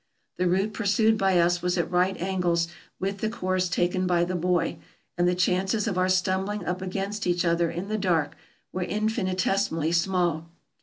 The route pursued by us was at right angles with the course taken by the boy, and the chances of our stumbling up against each other in the dark were infinitesimally small.